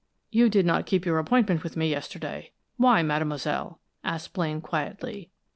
"You did not keep your appointment with me yesterday why, mademoiselle?" asked Blaine, quietly.